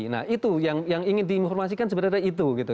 nah itu yang ingin diinformasikan sebenarnya itu gitu